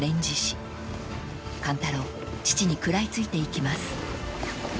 ［勘太郎父に食らい付いていきます］